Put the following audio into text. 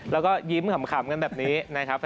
แล้วก็ยิ้มขำกันแบบนี้นะครับ